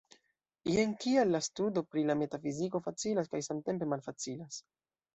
Jen kial la studo pri la metafiziko facilas kaj samtempe malfacilas.